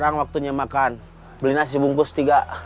sekarang waktunya makan beli nasi bungkus tiga